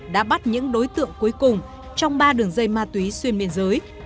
đã bắt những đối tượng cuối cùng trong ba đường dây ma túy xuyên biên giới